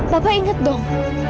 bapak ingat dong